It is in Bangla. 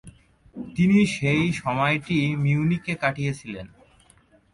তিনি সেই সময়টি মিউনিকে কাটিয়েছিলেন।